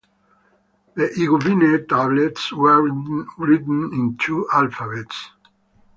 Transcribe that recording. The Iguvine tablets were written in two alphabets.